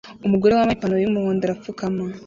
Umugore wambaye ipantaro y'umuhondo arapfukama